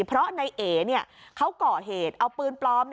เพราะนายเอ๋เขาก่อเหตุเอาปืนปลอม